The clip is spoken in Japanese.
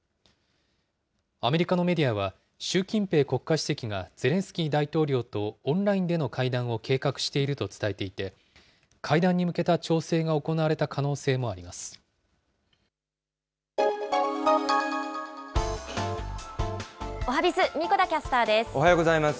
アメリカのメディアは、習近平国家主席がゼレンスキー大統領とオンラインでの会談を計画していると伝えていて、会談に向けた調整が行われた可能性もありおはＢｉｚ、おはようございます。